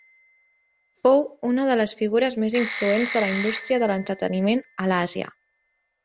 Fou una de les figures més influents de la indústria de l'entreteniment a l'Àsia.